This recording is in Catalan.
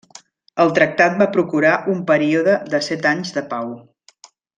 El tractat va procurar un període de set anys de pau.